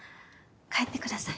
帰ってください。